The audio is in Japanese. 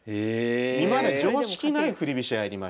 今まで常識ない振り飛車やりまして。